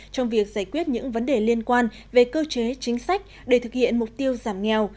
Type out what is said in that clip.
trong việc giải quyết những vấn đề liên quan về cơ chế chính sách để thực hiện mục tiêu giảm nghèo